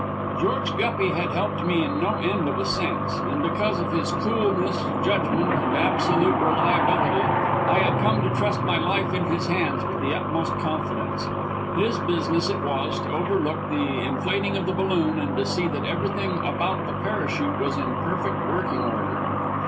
George Guppy had helped me in no end of ascents, and because of his coolness, judgment and absolute reliability I had come to trust my life in his hands with the utmost confidence. His business it was to overlook the inflating of the balloon, and to see that everything about the parachute was in perfect working order.